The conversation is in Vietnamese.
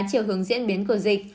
chiều hướng diễn biến của dịch